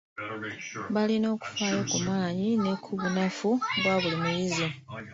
Balina okufaayo ku maanyi ne ku bunafu bwa buli muyizi.